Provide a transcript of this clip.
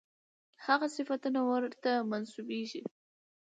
همغه صفتونه ورته منسوبېږي.